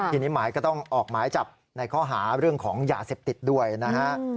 ทีนี้หมายก็ต้องออกหมายจับในข้อหาเรื่องของยาเสพติดด้วยนะฮะ